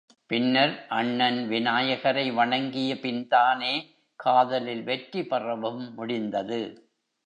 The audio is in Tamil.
பின்னர் அண்ணன் விநாயகரை வணங்கியபின்தானே காதலில் வெற்றி பெறவும் முடிந்தது.